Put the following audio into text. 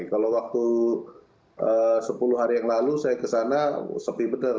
kalau waktu sepuluh hari yang lalu saya kesana sepi betul